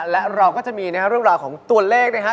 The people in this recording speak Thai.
และเราก็จะมีเรื่องราวของตัวเลขนะฮะ